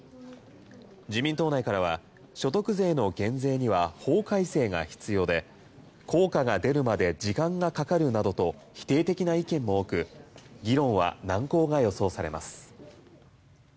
自民党内からは所得税の減税には法改正が必要で効果が出るまで時間がかかるなどと否定的な意見も多く議論は難航が予想されます。